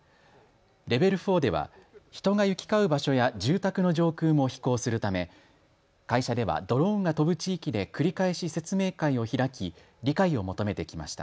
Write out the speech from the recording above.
レベル４では人が行き交う場所や住宅の上空も飛行するため会社ではドローンが飛ぶ地域で繰り返し説明会を開き理解を求めてきました。